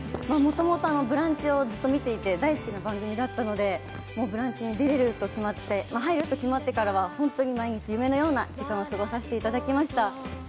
もともと「ブランチ」をずっと見ていて大好きな番組だったので「ブランチ」に出られる、入ると決まってからは本当に毎日、夢のような時間を過ごさせていただきました。